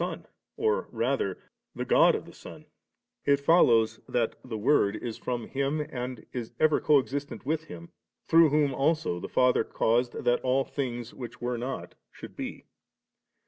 sun, or rather the God of the sun), it follows that the Word is from Him and is ever co existent with Him, through whom also the Father caused that all things which were not should be.